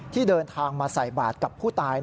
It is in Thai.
ที่เดินทางมาใส่บาทกับผู้ตาย